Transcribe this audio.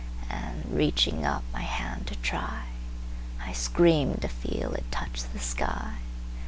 And reaching up my hand to try,I screamed to feel it touch the sky.